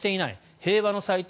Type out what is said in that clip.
平和の祭典